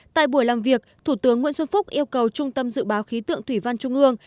tại buổi làm việc thủ tướng nguyễn xuân phúc yêu cầu trung tâm dự báo khí tượng thủy văn trung ương